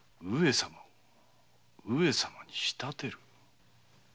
上様を上様に仕立てる？